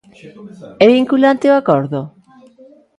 É vinculante o acordo?